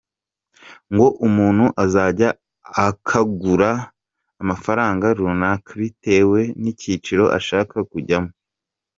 Ngo umuntu azajya akagura amafaranga runaka bitewe n’icyiciro ashaka kujyamo.